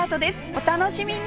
お楽しみに